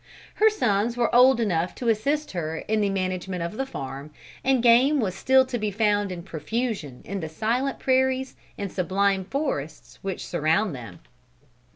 Her sons were old enough to assist her in the management of the farm, and game was still to be found in profusion in the silent prairies and sublime forests which surrounded them.